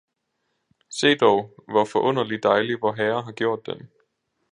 Se dog, hvor forunderlig dejlig Vorherre har gjort den!